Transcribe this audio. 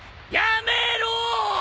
やめろー！